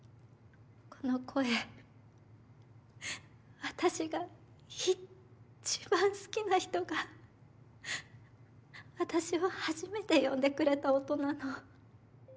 この声私がいちばん好きな人が私を初めて呼んでくれた音なの。